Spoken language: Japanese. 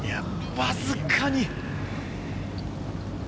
わずかに。